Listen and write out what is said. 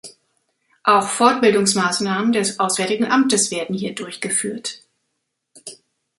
Auch Fortbildungsmaßnahmen des Auswärtigen Amtes werden hier durchgeführt.